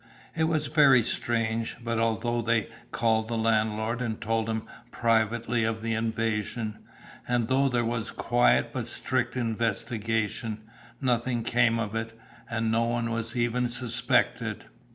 It was very strange, but, although they called the landlord, and told him privately of the invasion, and though there was a quiet but strict investigation, nothing came of it, and no one was even suspected.